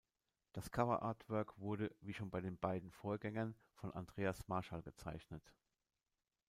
Das Coverartwork wurde, wie schon bei den beiden Vorgängern, von Andreas Marschall gezeichnet.